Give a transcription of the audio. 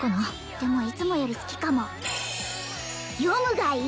でもいつもより好きかも読むがいい！